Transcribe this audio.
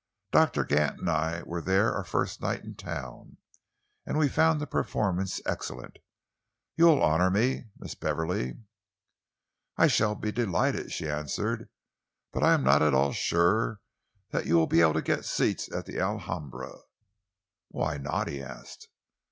Doctor Gant and I were there our first night in town, and we found the performance excellent. You will honour me, Miss Beverley?" "I shall be delighted," she answered, "but I am not at all sure that you will be able to get seats at the Alhambra." "Why not?" he asked.